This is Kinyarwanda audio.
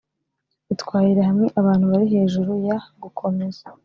itwarira hamwe abantu bari hejuru ya gukomeza